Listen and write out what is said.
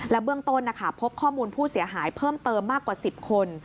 เบื้องต้นพบข้อมูลผู้เสียหายเพิ่มเติมมากกว่า๑๐คน